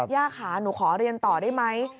ย่าค่ะหนูขอเรียนต่อได้ไหม